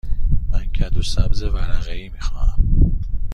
من کدو سبز ورقه ای می خواهم.